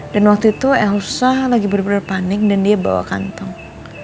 dan waktu itu elsa lagi bener bener panik dan dia bawa kantong